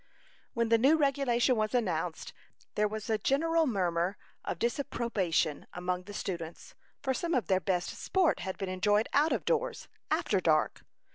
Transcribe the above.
When the new regulation was announced, there was a general murmur of disapprobation among the students, for some of their best sport had been enjoyed out of doors, after dark.